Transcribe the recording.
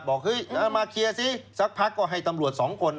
บอกเฮ้ยมาเคลียร์สิสักพักก็ให้ตำรวจ๒คน